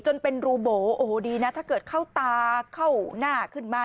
จนเป็นรูโบโอ้โหดีนะถ้าเกิดเข้าตาเข้าหน้าขึ้นมา